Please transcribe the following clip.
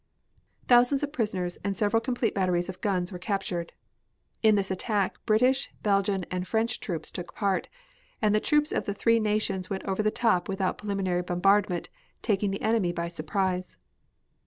Thousands of prisoners and several complete batteries of guns were captured. In this attack British, Belgian and French troops took part, and the troops of the three nations went over the top without preliminary bombardment, taking the enemy by surprise.